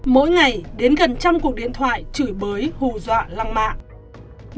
mỗi ngày đến gần trăm cuộc điện thoại chửi bới hù dọa lăng mạng